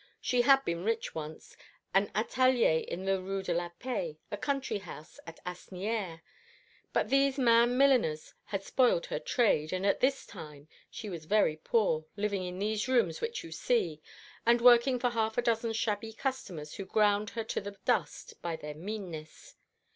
She had been rich once an atelier in the Rue de la Paix a country house at Asnières but these man milliners had spoiled her trade, and at this time she was very poor, living in these rooms which you see, and working for half a dozen shabby customers who ground her to the dust by their meanness.